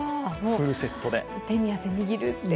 手に汗握る。